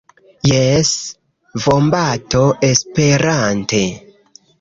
Jes, vombato Esperante.